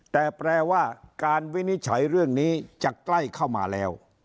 แต่แปลว่าการวินิจฉัยเรื่องนี้จะใกล้เข้ามาแล้ว